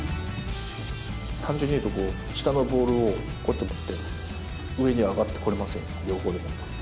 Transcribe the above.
単純に言うと下のボールをこうやって持って上に上がってこれません。